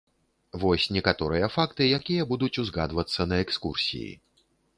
Вось некаторыя факты, якія будуць узгадвацца на экскурсіі.